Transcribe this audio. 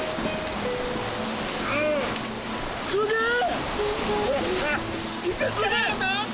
すげえ！